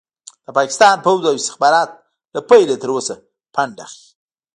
د پاکستان پوځ او استخبارات له پيله تر اوسه فنډ اخلي.